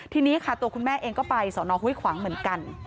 ทีนี้ค่ะตัวคุณแม่เองก็ไปสอนอห้วยขวางเหมือนกัน